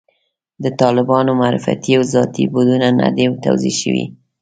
د طالبانو معرفتي او ذاتي بعدونه نه دي توضیح شوي.